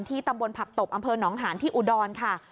ตำบลผักตบอำเภอหนองหานที่อุดรค่ะ